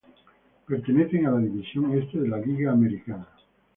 Pertenecen a la División Este de la Liga Americana.